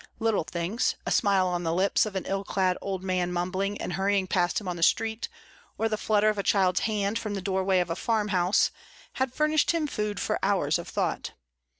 Little things a smile on the lips of an ill clad old man mumbling and hurrying past him on the street, or the flutter of a child's hand from the doorway of a farmhouse had furnished him food for hours of thought.